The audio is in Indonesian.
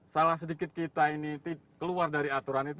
salah sedikit kita ini keluar dari aturan itu